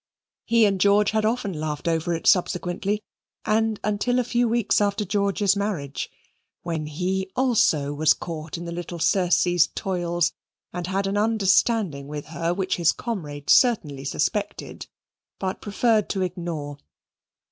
He and George had often laughed over it subsequently, and until a few weeks after George's marriage, when he also was caught in the little Circe's toils, and had an understanding with her which his comrade certainly suspected, but preferred to ignore.